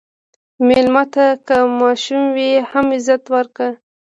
مېلمه ته که ماشوم وي، هم عزت ورکړه.